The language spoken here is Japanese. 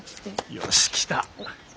よし来た。